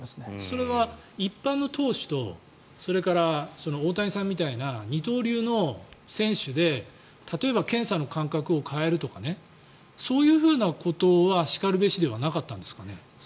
それは一般の投手とそれから大谷さんみたいな二刀流の選手で例えば検査の間隔を変えるとかそういうふうなことはしかるべしではなかったんですかね？